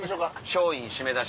松陰締め出し。